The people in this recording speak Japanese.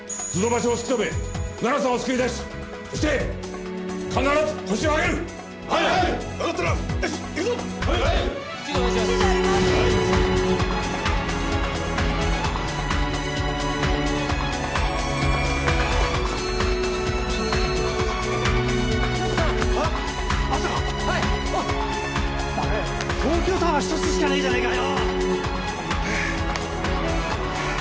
バカ野郎東京タワー１つしかねえじゃないかよ。